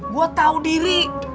gue tau diri